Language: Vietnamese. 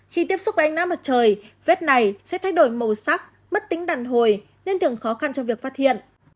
khi tiếp xúc ánh nắng mặt trời vết này sẽ thay đổi màu sắc mất tính đàn hồi nên thường khó khăn cho việc phát hiện